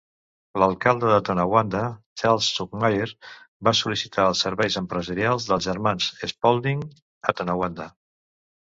L'alcalde de Tonawanda, Charles Zuckmaier, va sol·licitar els serveis empresarial dels germans Spaulding a Tonawanda.